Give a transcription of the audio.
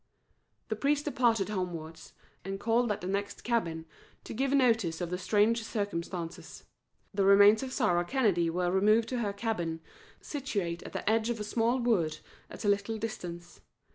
The priest departed homewards, and called at the next cabin to give notice of the strange circumstances. The remains of Sarah Kennedy were removed to her cabin, situate at the edge of a small wood at a little distance.